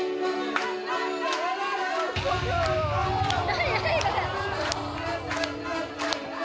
何？何？